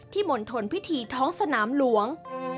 ที่หม่นทนพิธีท้องสนามหลวง